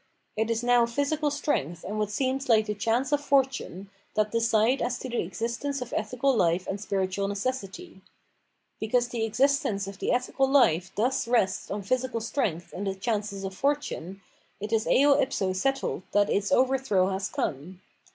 It is now physical strength and what seems like the chance of fortune, that decide as to the existence of ethical life and spiritual necessity. Because the existence of the ethical life thus rests on 476 Phenomenology of Mind physical strength and the chances of fortune, it is eo ipso settled that its overthrow has come.